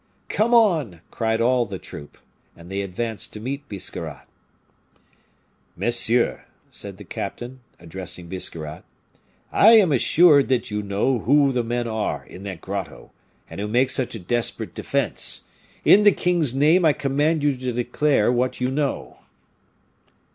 "Come on!" cried all the troop. And they advanced to meet Biscarrat. "Monsieur," said the captain, addressing Biscarrat, "I am assured that you know who the men are in that grotto, and who make such a desperate defense. In the king's name I command you to declare what you know."